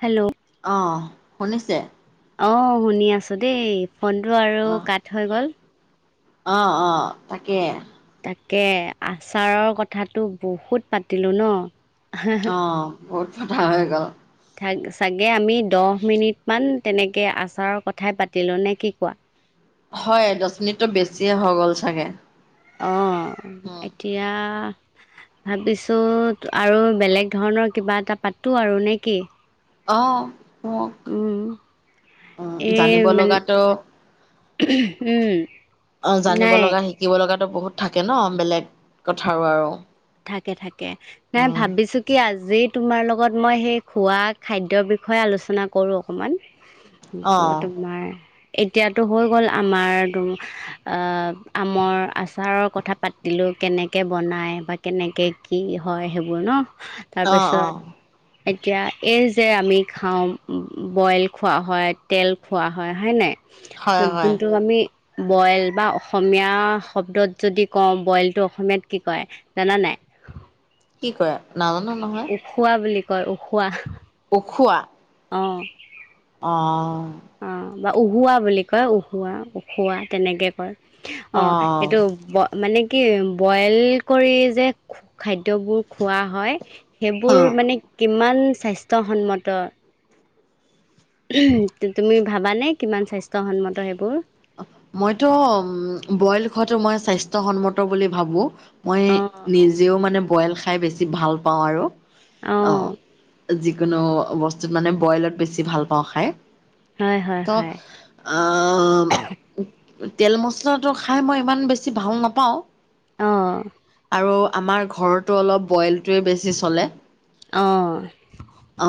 Hello! অ শুনিছোঁ? অ শুনি আছোঁ দেই ফোনেটো আৰু কাট হৈ গ'ল। অ অ তাকে। তাকেই আচাৰৰ কথাটো বহুত পাতিলোঁ ন'। অ বহুত পতা হৈ গ'ল। ঠগ চাগে আমি দহ মিনিটমান তেনেকৈ আচাৰৰ কথাই পাতিলোঁ নে কি কোৱা। হয় দহ মিনিটত বেছি এই হৈ গ'ল চাগে। অ এতিয়া ভাবিছোঁ আৰু বেলেগ ধৰণৰ কিবা এটা পাতোঁ আৰু নেকি? অ কওক অ এই জানিব মানে লগাতো উম। অ জানিব নাই লগা শিকিব লগাতো বহুত থাকে ন' বেলেগ কথাৰ আৰু। থাকে থাকে [unintelligible] অঁ ভাবিছো কি আজি তোমাৰ লগত মই সেই খোৱা খাদ্যৰ বিষয়ে আলোচনা কৰোঁ অকণমান। ত অঁ তোমাৰ এতিয়াতো হৈ গ'ল আমাৰ আহ আমৰ আচাৰৰ কথা পাতিলো কেনেকে বনাই বা কেনেকে কি হয় সেইবোৰ ন, অঁ তাৰপিছত এতিয়া এই যে আমি খাওঁ, বইল খোৱা হয়, তেল খোৱা হয়, হয়নে নাই? হয় [unintelligible] হয় যোনটো আমি বইল বা অসমীয়া শব্দত যদি কওঁ, বইলটো অসমীয়াত কি কয়? জানান নাই? কি কয় নাজানো নহয়। উখোৱা বুলি কয়, উখোৱা। উখোৱা। অ'। অ। অ বা উহোৱা বুলি কয় উহোৱা উখোৱা তেনেকে কয়। অ অঁ এইটো মানে কি বইল কৰি যে খ-খাদ্যবোৰ খোৱা হয়, সেইবোৰ অঁ মানে কিমান স্বাস্থ্যসন্মত তুমি ভাবানে কিমান স্বাস্থ্যসন্মত সেইবোৰ? মইতো বইল খোৱাটো মই স্বাস্থ্যয়সন্মত বুলি ভাবো। মই অ', নিজেও মানে বইল খাই বেছি ভাল পাওঁ আৰু। অ যিকোনো বস্তুত মানে বইলত বেছি ভাল পাওঁ খাই। হয়, হয়, ত হয়। আ তেল মচলাটো খাই মই ইমান বেছি ভাল নাপাওঁ। অ'। আৰু আমাৰ ঘৰতো অলপ বইলটোৱে বেছি চলে। অঁ। অ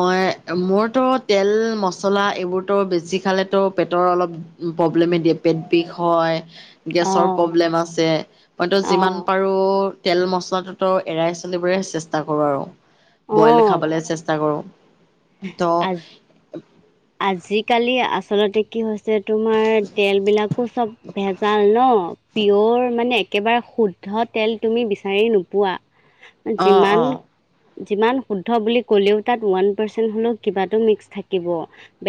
মই মোৰতো তেল মছলা এইবোৰতো বেছি খালেতো পেটৰ অলপ প্ৰব্লেমে দিয়ে, পেট বিষ হয় গেছৰ অ', প্ৰব্লেম আছে। মইতো যিমান অ', পাৰো তেল মছলাটোতো এৰাই চলিবলৈ চেষ্টা কৰো, আৰু বইল অ', খাবলে চেষ্ট ষ্টা কৰো। ত' আজ আজিকালি আচলতে কি হৈছে ছে তোমাৰ, তেল বিলাকো চব ভেজাল ন! পিয়ৰ, মানে একেবাৰে শুদ্ধ তেল তুমি বিচাৰি নোপোৱা। অ', অ', যিমান-যিমান শুদ্ধ বুলি ক'লেও তাত, ওৱান পাৰ্চেণ্ট হ'লেও কিবাটো মিক্স থাকিব,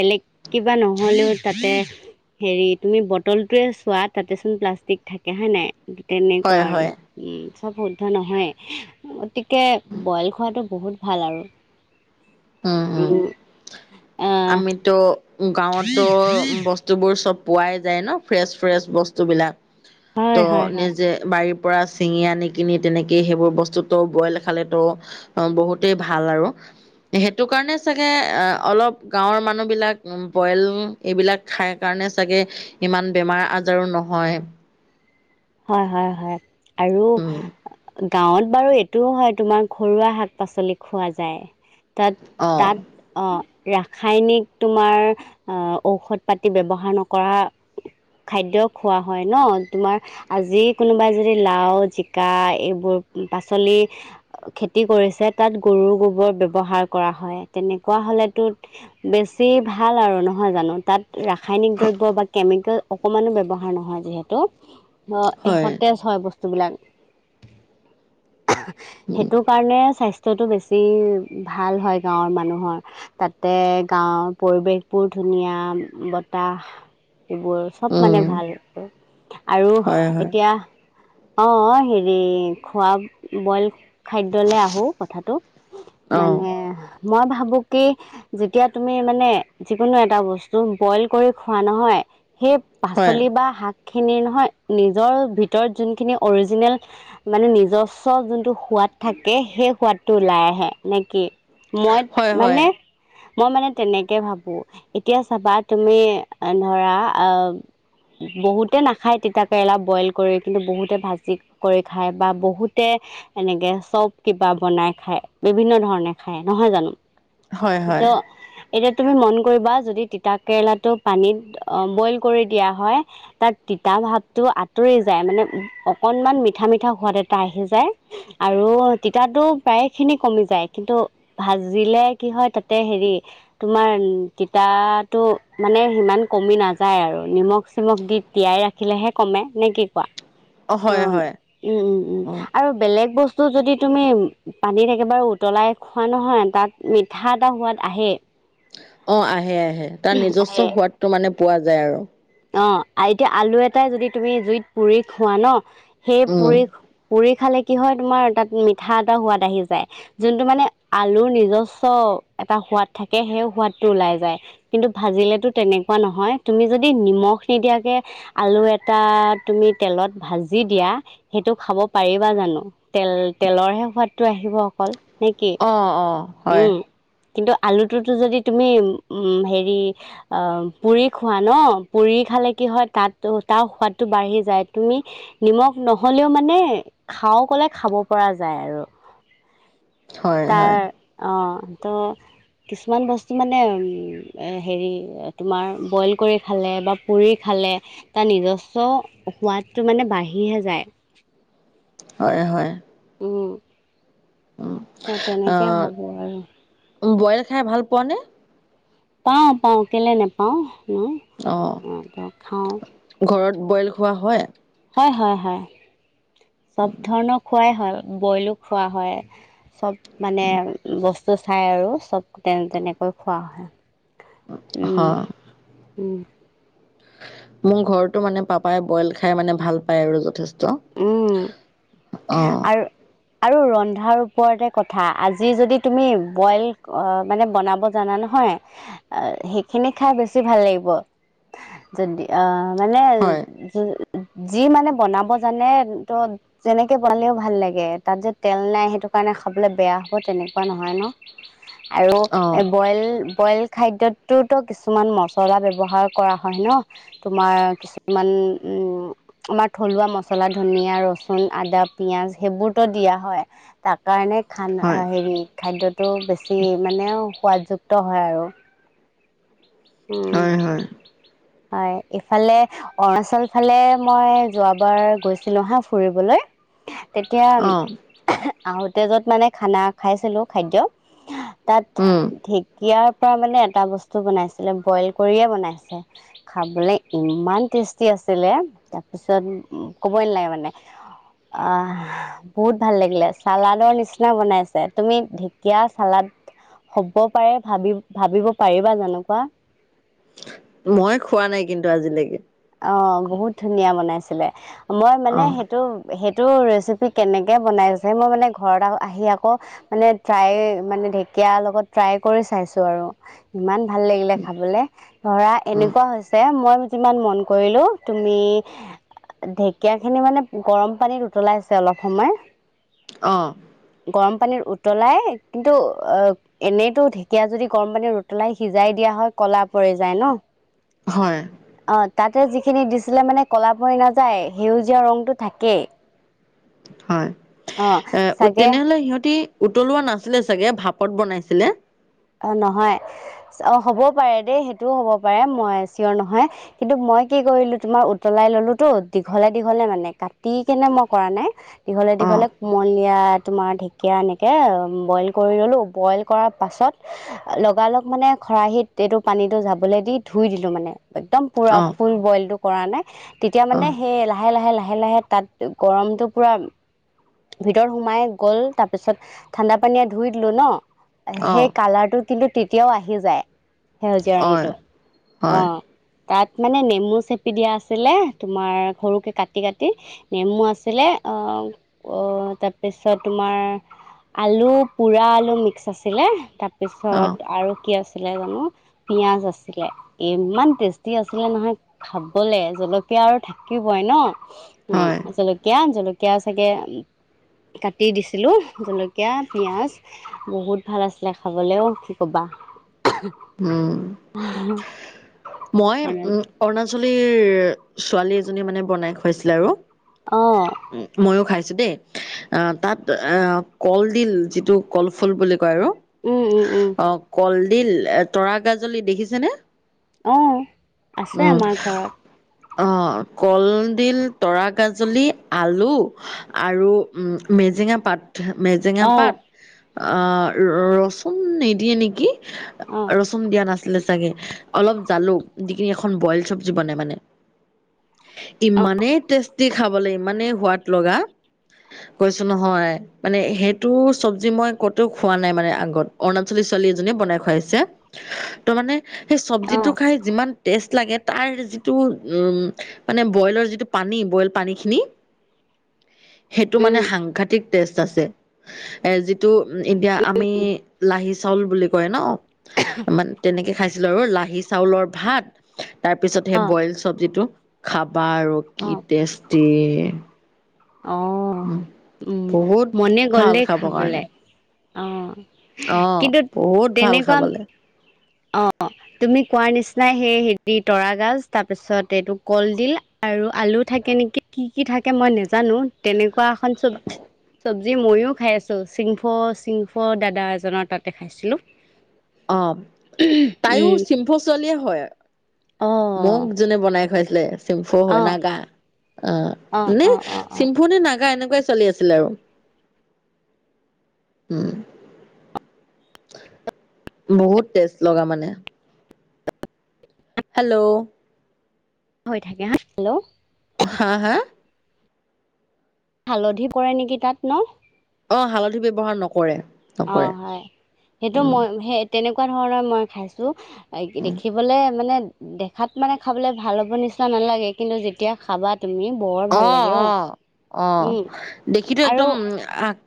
বেলেগ কিবা নহ'লেও তাতে হেৰি তুমি বটলটোয়ে চোৱা, তাতেচোন প্লাষ্টিক থাকে হয় নাই! তেনেকুৱা হয়, আৰু হয়। উম, চব শুদ্ধ নহয়, গতিকে বইল খোৱাটো বহুত ভাল আৰু। উম, উম, আহ আমিতো গাঁৱতো বস্তু বস্তুবোৰ চব পোৱাই যায় ন, ফ্ৰেচ-ফ্ৰেচ বস্তু বিলাক, হয় ত', হয় হয় নিজে বাৰীৰ পৰা চিঙি আনি কিনি, তেনেকেই সেইবোৰ বস্তু তো বইল খালে তো অ, বহুতেই ভাল আৰু। সেইটো কাৰণে চাগে, অলপ গাঁৱৰ মানুহবিলাক বইল এইবিলাক খাই কাৰণে চাগে, ইমান বেমাৰ-আজাৰো নহয়। হয়, হয়, হয়, আৰু উম গাঁৱত বাৰু এইটোও হয়, তোমাৰ ঘৰুৱা শাক-পাচলি খোৱা যায়, অ তাত-তাত অ, ৰাসায়নিক তোমাৰ, ঔষধ-পাতি ব্যৱহাৰ নকৰা খাদ্য খোৱা হয় ন, তোমাৰ আজি কোনোবাই যদি লাও, জিকা এইবোৰ পাচলি খেতি কৰিছে, তাত গৰুৰ গোবৰ ব্যৱহাৰ কৰা হয়, তেনেকুৱা হ'লেতো বেছি ভাল আৰু নহয় জানো! তাত ৰাসায়নিক দ্ৰব্য বা কেমিকেল অকমানো ব্যৱহাৰ নহয় যিহেতু। অ, হয় সতেজ হয় বস্তুবিলাক। উম সেইটো কাৰণে, স্বাস্থ্যটো বেছি ভাল হয় গাঁৱৰ মানুহৰ। তাতে, গাঁৱৰ পৰিৱেশ বোৰ ধুনীয়া, বতাহ এইবোৰ চব মানে উম ভাল। আৰু হয় হয় [unintelligible] অ', হেৰি খোৱা বইল খাদ্যলে আহো কথাটো, অ মানে মই ভাবো কি যেতিয়া তুমি মানে, যিকোনো এটা বস্তু বইল কৰি খোৱা নহয়, সেই হয় পাচলি বা শাক খিনি নহয় নিজৰ ভিতৰত যোনখিনি অৰিজিনেল মানে নিজস্ব যোনটো সোৱাদ থাকে, সেই সোৱাদটো ওলাই আহে, নেকি! মই হয় হয় মানে মই মানে তেনেকে ভাবো, এতিয়া চাবা তুমি ধৰা, আহ বহুতে নাখায় তিতা কেৰেলা বইল কৰি, কিন্তু বহুতে ভাজি কৰি খায় বা বহুতে এনেকে চব কিবা বনাই খায়, বিভিন্ন ধৰণে খায়, নহয় জানো! হয় হয় ত' এতিয়া তুমি মন কৰিবা, যদি তিতাকেৰেলাটো পানীত বইল কৰি দিয়া হয় তাত তিতা ভাৱটো আঁতৰি যায়, মানে অকনমান মিঠা-মিঠা সোৱাদ এটা আহি যায়। আৰু তিতা প্ৰায় খিনি কমি যায়, কিন্তু ভাজিলে কি হয়, তাতে হেৰি তোমাৰ তিতাটো মানে সিমান কমি নাযায় আৰু, নিমখ-চিমখ দি তিয়াই ৰাখিলেহে কমে, নে কি কোৱা, অ হয় উমঁ' হয় উমঁ' উমঁ' অ আৰু বেলেগ বস্ত বস্তু যদি তুমি পানীত একেবাৰে উতলাই খোৱা নহয় তাত মিঠা এটা সোৱাদ আহেই। অঁ' আহে আহে তাৰ নিজস্ব সোৱাদটো মানে পোৱা যায় আৰু। অঁ' এতিয়া আলু এটাই যদি তুমি জুইত পুৰি খোৱা ন' সেই উম পুৰি পুৰি খালে কি হয় তোমাৰ তাত মিঠা এটা সোৱাদ আহি যায়। যোনটো মানে আলুৰ নিজস্ব এটা সোৱাদ থাকে সেই সোৱাদটো ওলাই যায়। কিন্তু ভাজিলেতো তেনেকুৱা নহয়, তুমি যদি নিমখ নিদিয়াকে- আলু এটা তুমি তেলত ভাজি দিয়া, সেইটো খাব পাৰিবা জানো? তেল তেলৰ হে সোৱাদটো আহিব অকল নে কি। অঁ' অঁ'। উমঁ' কিন্তু আলুটোতো যদি তুমি উমঁ' উমঁ' হেৰি অঁ' পুৰি খোৱা ন' পুৰি খালে কি হয় তাত তাৰ সোৱাদটো বাঢ়ি যায়, তুমি নিমখ নহ'লেও মানে খাওঁ ক'লে খাব পৰা যায় আৰু। হয় তাৰ হয় অঁ' ত' কিছুমান বস্তু মানে উমঁ' হেৰি তোমাৰ বইল কৰি খালে বা পুৰি খালে- তাৰ নিজস্ব সোৱাদটো মানে বাঢ়িহে যায়। হয় হয়। উমঁ'। উম, ত' তেনেকে আহ, ভাবোঁ আৰু। বইল খাই ভাল পোৱা নে? পাওঁ পাওঁ কেলে নেপাওঁনো অঁ খাওঁ। ঘৰত বইল খোৱা হয়? হয় হয় হয়, চ'ব ধৰণৰ খোৱাই হয়, বইলো খোৱা হয়। চ'ব মানে বস্তু চাই আৰু চ'ব তেনে-তেনেকৈ খোৱা হয়। উম, অঁ উম। মোৰ ঘৰটো মানে পাপাই বইল খাই মানে ভাল পায় আৰু যথেষ্ঠ। উমঁ' আৰু আৰু ৰন্ধাৰ ওপৰতে কথা, আজি যদি তুমি বইল মানে বনাব জানা নহয় আহ' সেইখিনি খাই বেছি ভাল লাগিব যদি আহ' মানে হয় যি, যি মানে বনাব জানে ত যেনেকে বনালেও ভাল লাগে, তাত যে তেল নাই সেইটো কাৰণে খাবলে বেয়া হ'ব তেনেকুৱা নহয় ন'। আৰু অঁ বইল বইল খাদ্যতটো কিছুমান মছলা ব্যৱহাৰ কৰা হয় ন'। তোমাৰ কিছুমান উমঁ' আমাৰ থলুৱা ম মছলা, ধনিয়, ৰচুন, আদা, পিয়াজ সেইবোৰতো দিয়া হয়। তাৰ কাৰণে খান, হয় এ হেৰি খাদ্যটো বেছি মানে সোৱাত যুক্ত হয় আৰু। উমঁ' হয় হয় হয়, ইফালে অৰুণাচল ফালে মই যোৱাবাৰ গৈছিলো হা ফুৰিবলৈ। তেতিয়া অঁ আহোঁতে য'ত মানে খানা খাইছিলোঁ খাদ্য তাত উমঁ'। ঢেঁকীয়াৰ পৰা মানে এটা বস্তু বনাইছিলে বইল কৰিয়ে বনাইছে। খাবলৈ ইমান টেষ্টি আছিলে তাৰপিছত কবয়ে নালাগে মানে। আহ' বহুত ভাল লাগিলে, চালাদৰ নিচিনা বনাইছে। তুমি ঢেকীয়া, চালাদ হ'ব পাৰে ভাবি-ভাবিব পাৰিবা যেনেকুৱা। মই খোৱা নাই কিন্তু আজিলৈকে। অ', বহুত ধুনীয়া বনাইছিলে। মই মানে অঁ সেইটো- সেইটো ৰেচিপি কেনেকৈ বনাইছে, মই মানে ঘৰত আহি আকৌ- মানে ট্ৰাই মানে ঢেকীয়াৰ লগত ট্ৰাই কৰি চাইছো আৰু। ইমান- ভাল লাগিলে খাবলৈ। ধৰা এনেকুৱা হৈছে ম'ন যিমান ম'ন- কৰিলোঁ, তুমি- ঢেকীয়া খিনি মানে গৰম পানীত উতলাইছে অলপ সময়। অ'। গৰম পানীত উতলাই কিন্তু, অ'- এনেইতো ঢেকীয়া যদি গৰম পানীত উতলাই সিজাই দিয়া হয় ক'লা পৰি যায় ন'। হয়। অ', তা'তে যিখিনি দিছিলে মানে ক'লা পৰি নাযায় সেউজীয়া ৰংটো থাকেই। হয়। অ চাগে তেনেহ'লে সিহঁতি উতলোৱা নাছিল চাগে, ভাপত বনাইছিলে। অ', নহয়, অ', হ'বও পাৰে দেই সেইটোও হ'ব পাৰে, মই চিঞৰ নহয়। কিন্তু মই কি কৰিলো তোমাৰ উতলাই ল'লো তো দীঘলে-দীঘলে মানে কাটি কেনে মই কৰা নাই। অঁ দীঘলে-দীঘলে- মই এইয়া তোমাৰ ঢেঁকীয়া এনেকৈ বইল কৰি ল'লো, বইল কৰাৰ পাছত- লগা-লগ মানে খৰাহিত এইটো পানীটো যাবলে দি ধুই দিলো মানে, একদম- পুৰা অঁ ফুল বইলটো কৰা নাই, তেতিয়া মানে সেই লাহে-লাহে-লাহে-লাহে- তা'ত গৰমটো পুৰা- ভিতৰত সোমাই গ'ল, তাৰপিছত ঠাণ্ডা পানীয়ে ধুই দিলো ন' অঁ অঁ সেই কালাৰটো- কিন্তু তেতিয়াও আহি যায় সেউজীয়া হয় ৰংটো হয় অঁ',। তা'ত মানে নেমু চেপি দিয়া আছিলে তোমাৰ সৰুকে কাটি-কাটি। নেমু আছিলে আঁহ', - অ', তাৰপিছত তোমাৰ আলু, পোৰা আলু মিক্স আছিলে। তাৰ- অঁ পিছত আৰু কি আছিলে জানো- পিয়াজ আছিলে, ইমান টেষ্টি আছিলে নহয়। খাবলে। জলকীয়া আৰু থাকিবই ন' উম' হয় জলকীয়া-জলকীয়া চাগে- কাটি দিছিলোঁ জলকীয়া, পিঁয়াজ। বহুত ভাল আছিলে খাবলৈও কি কবা। উমঁ, মই উমঁ- অৰুণাচলীৰ ছোৱালী এজনী মানে বনাই খুৱাইছিলে আৰু। অঁ',। মইও খাইছো দেই, আঁহ', তা'ত আঁহ', কলডিল যিটো কল ফুল বুলি কয় আৰু। উমঁ-উমঁ-উমঁ। অ কলডিল, তৰা গাজলী দেখিছেনে? অঁ'। আছে উমঁ। আমাৰ ঘৰত অঁ', কলডিল, তৰা গাজলী, আলু- আৰু উম' মেজেঙা পাত। মেজেঙা অঁ পাত আঁহ', ৰচুন নিদিয়ে নেকি, অঁ ৰচু- ন দিয়া নাছিলে চাগে, অলপ জালুক দি কিনি এখন বইল চব্জি বনাই মানে। অঁ ইমানেই টেষ্টি খাবলৈ, ইমানেই সোৱাদ লগা। কৈছো নহয়, মানে সেইটো চব্জি মই ক'তো খোৱা নাই মানে আগত। অৰুণাচলী ছোৱালী এজনীয়ে বনাই খুৱাইছে, ত' মানে সেই চব্জিটো অঁ খাই যিমান টেষ্ট লাগে তাৰ যিটো উম মানে বইলৰ যিটো পানী বইল পানী খিনি। [inaudible] সেইটো মানে উম সাংঘাতিক টেষ্ট আছে। এ যিটো উ এতিয়া আমি উম লাহি চাউল বুলি কয় ন। [unintelligible] মানে তেনেকে খাইছিলো আৰু লাহি চাউলৰ ভাত তাৰ পিছত সেই বইল চব্জিটো। খাব আৰু কি অঁ টেষ্টি। অ উম উম বহুত মনে ভাল গলদে খাব কাৰণে খাবলে। অ অ' কিন্তু বহুত ভাল তেনেকুৱা খাবলে অ অ তুমি কোৱাৰ নিচিনাই সেই হেৰি তৰা গাজ তাৰপিছত এইটো কলডিল। আৰু আলু থাকে নেকি কি কি থাকে মই নেজানো তেনেকুৱা এখন চব্বজি চব্জি ময়ো খাই আছোঁ চিংফ চিংফ দাদা এজনৰ তাতে খাইছিলোঁ। অ তাইও উম চিংফ ছোৱালীয়ে হয় অ মোক যোনে বনাই খুৱাইছিলে। চিম্ফু অ হয় নাগা, অ অ নে অ অ অ চিম্ফু নে নাগা এনেকুৱাই ছোৱালী আছিলে আৰু। উম। বহুত টেষ্ট লগা মানে। হেল্ল, অ [inaudible] হা হা হালধি পৰাই নেকি তাত ন? অ হালধি ব্যৱহাৰ নকৰে। অ নকৰে হয়, সেইটো উম মই সেই তেনেকুৱা ধৰণৰ মই খাইছো। দেখিবলৈ মানে দেখাত মানে খাবলে ভাল হ'ব নিচিনা নালাগে, কিন্তু যেতিয়া খাবাত তুমি বৰ ভাল অ লাগে অ অ উম দেখিতো আৰু একদম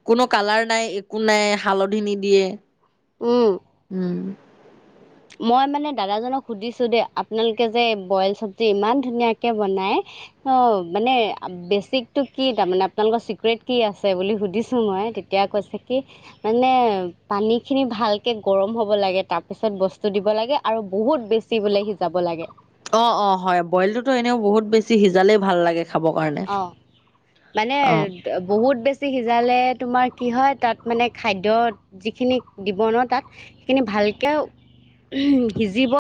কোনো কালাৰ নাই একো নাই হালধি নিদিয়ে। উম উম। মই মানে দাদাজনক সুধিছো দেই আপোনালোকে যে বইল চব্জি ইমান ধুনীয়াকে বনাই। অ' মানে বেচিক টো কি তাৰমানে আপোনালোকৰ চিক্ৰেট কি আছে বুলি সুধিছো মই? এতিয়া কৈছে কি মানে পানী খিনি ভালকে গৰম হব লাগে তাৰ পিছত বস্তু দিব লাগে আৰু বহুত বেছি বোলে সিজাব লাগে। অ'অ' হয় বইলতটোতো এনেও বহুত বেছি সিজালেই ভাল লাগে। খাবৰ কাৰণে অ' মানে অ'। বহুত বেছি সিজালে তোমাৰ কি হয় তাত মানে খাদ্য যিখিন দিব ন তাত সেইখিনি ভালকৈ সিজিব।